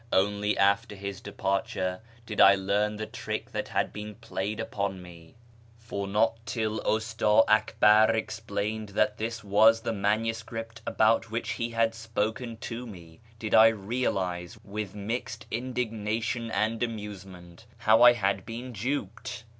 Only after his departure lid I learn the trick that had been played upon me, for not 544 A YEAR AMONGST THE PERSIANS till Usta Akbar explained that this was the iiiaimseript al)ont which he had sjHiken to lue did I realise with mixed iiidi<,niatioii and amusement how I had been duped.